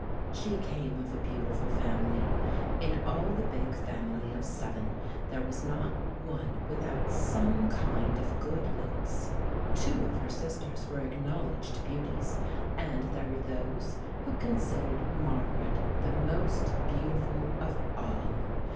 She came of a beautiful family. In all the big family of seven there was not one without some kind of good looks. Two of her sisters were acknowledged beauties, and there were those who considered Margaret the most beautiful of all.